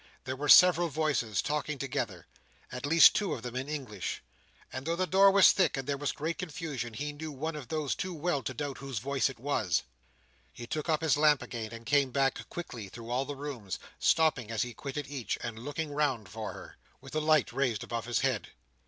There were several voices talking together: at least two of them in English; and though the door was thick, and there was great confusion, he knew one of these too well to doubt whose voice it was. He took up his lamp again, and came back quickly through all the rooms, stopping as he quitted each, and looking round for her, with the light raised above his head.